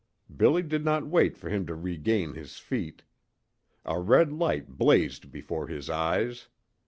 Billy did not wait for him to regain his feet. A red light blazed before his eyes.